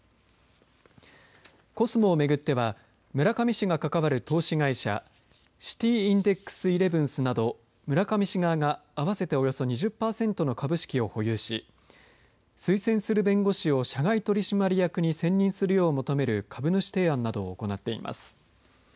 コスモを巡っては村上氏が関わる投資会社シティインデックスイレブンスなど村上氏側が合わせておよそ２０パーセントの株式を保有し推薦する弁護士を社外取締役に選任するよう求める株主提案などを行っています。